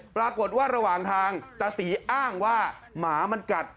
ปรากฏว่าระหว่างทางตาศรีอ้างว่าหมามันกัด